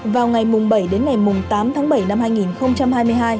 vào ngày bảy đến ngày tám tháng bảy năm hai nghìn hai mươi hai